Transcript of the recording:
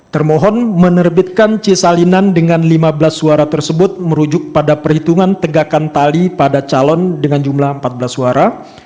termohon menerbitkan cisalinan dengan lima belas suara tersebut merujuk pada perhitungan tegakan tali pada calon dengan jumlah empat belas suara